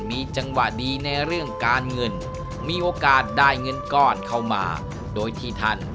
มีจังหวะดีในเรื่องการเงินมีโอกาสได้เงินก้อนเข้ามาโดยที่ท่าน